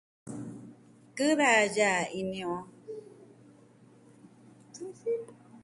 Kɨ da yaa ini on.